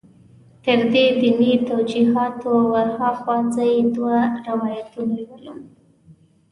تر دیني توجیهاتو ور هاخوا زه یې دوه روایتونه لولم.